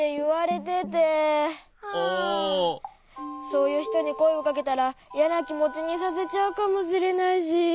そういうひとにこえをかけたらいやなきもちにさせちゃうかもしれないし。